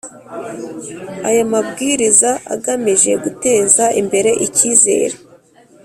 Aya mabwiriza agamije guteza imbere icyizere